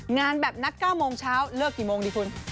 งานแบบนัด๙โมงเช้าเลิกกี่โมงดีคุณ